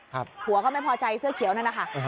ผัวก็ไม่พอใจเสื้อเขียวนั่นนะคะ